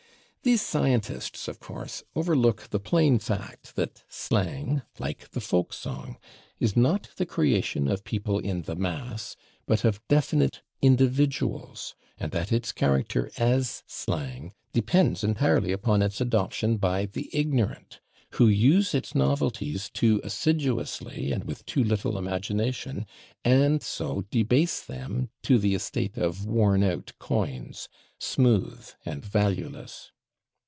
These scientists, of course, overlook the plain fact that slang, like the folk song, is not the creation of people in the mass, but of definite individuals, and that its character /as/ slang depends entirely upon its adoption by the ignorant, who use its novelties too assiduously and with too little imagination, and so debase them to the estate of worn out coins, smooth and valueless.